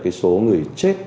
cái số người chết